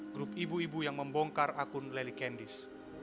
grup ibu ibu yang membongkar akun loli candies